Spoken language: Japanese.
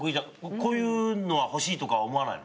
こういうのは欲しいとか思わないの？